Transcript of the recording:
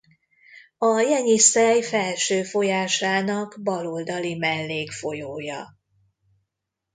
A Jenyiszej felső folyásának bal oldali mellékfolyója.